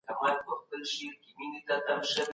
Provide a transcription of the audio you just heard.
لمر په غرونو کې پناه کېده.